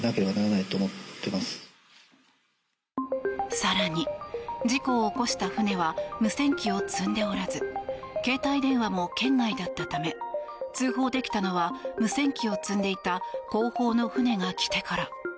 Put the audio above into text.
更に、事故を起こした船は無線機を積んでおらず携帯電話も圏外だったため通報できたのは無線機を積んでいた後方の船が来てから。